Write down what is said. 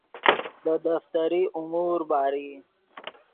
دے دفتری امور باری